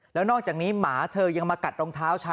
แล้วนอกจากนี้หมากัดรองเท้า